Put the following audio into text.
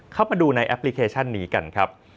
เข้ามาดูในแอปพลิเคชันนี้กันครับ